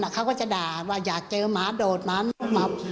เขาก็จะด่าว่าอยากเจอหมาโดดหมา